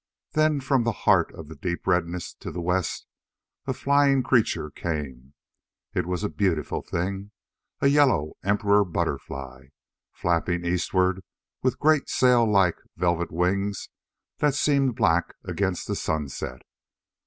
Then, from the heart of the deep redness to the west a flying creature came. It was a beautiful thing a yellow emperor butterfly flapping eastward with great sail like velvet wings that seemed black against the sunset.